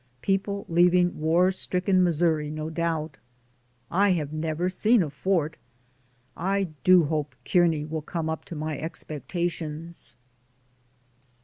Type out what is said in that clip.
People leaving war stricken Missouri, no doubt. I have never seen a fort. I do hope Kearney will come up to my expectations.